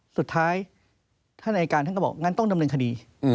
สุดท้ายท่านอายการท่านก็บอกงั้นต้องดำเนินคดี